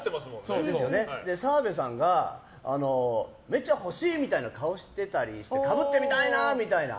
澤部さんがめちゃ欲しいみたいな顔してたりしてかぶってみたいなって。